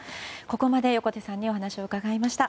ここまで横手さんにお話を伺いました。